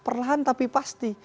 perlahan tapi pasti